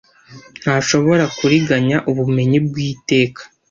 ntashobora kuriganya ubumenyi bw'iteka